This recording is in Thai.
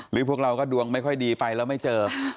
พวกเราก็ดวงไม่ค่อยดีไปแล้วไม่เจอ